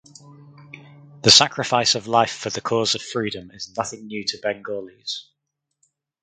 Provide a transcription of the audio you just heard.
The sacrifice of life for the cause of freedom is nothing new to Bengalis.